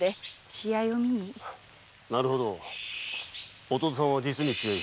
なるほど弟さんは実に強い。